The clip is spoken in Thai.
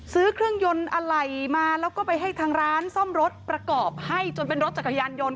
ใส่มาแล้วก็ไปให้ทางร้านซ่อมรถประกอบให้จนเป็นรถจักรยานยนต์